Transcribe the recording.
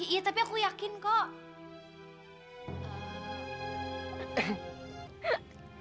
iya tapi aku yakin kok